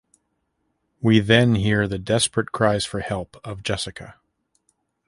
We then hear the desperate cries for help of Jessica.